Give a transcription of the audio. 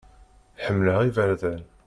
Ḥemmleɣ iberdan.